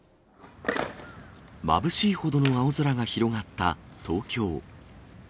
まぶしいほどの青空が広がった東京。